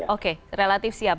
oke relatif siap